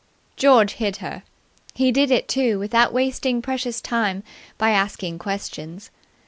George hid her. He did it, too, without wasting precious time by asking questions.